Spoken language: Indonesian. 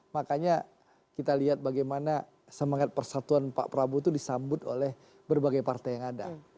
makanya kita lihat bagaimana semangat persatuan pak prabowo itu disambut oleh berbagai partai yang ada